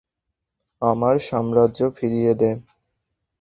আমার সাম্রাজ্য ফিরিয়ে দে।